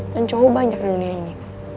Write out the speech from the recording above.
dan cowok banyak di dunia ini